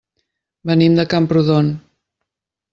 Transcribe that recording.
Venim de Camprodon.